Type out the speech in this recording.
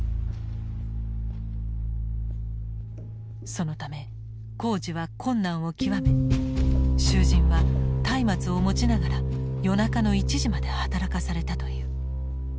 そのため工事は困難を極め囚人はたいまつを持ちながら夜中の１時まで働かされたという。